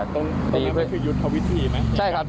ตรงนั้นก็คือยุดทวิธีไหม